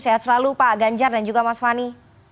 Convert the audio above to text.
sehat selalu pak ganjar dan juga mas fani